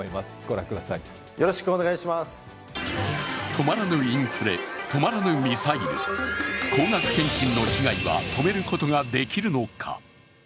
止まらぬインフレ止まらぬミサイル、高額献金の被害は止めることができるのか。